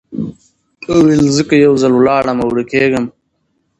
ویل زه که یو ځل ولاړمه ورکېږم